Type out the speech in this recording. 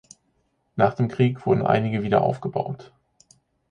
Nach dem Krieg wurden einige wieder aufgebaut.